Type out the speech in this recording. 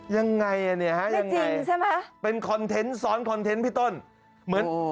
ยังไงนี่ยังไงเป็นคอนเทนต์ซ้อนคอนเทนต์พี่ต้นใช่ไหม